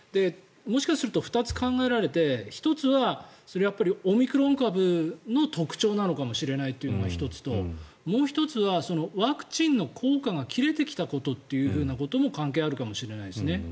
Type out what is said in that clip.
もしかすると２つ考えられて１つはオミクロン株の特徴なのかもしれないというのが１つともう１つはワクチンの効果が切れてきたことということも関係あるかもしれないですね。